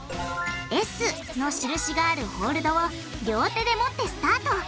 「Ｓ」の印があるホールドを両手で持ってスタート。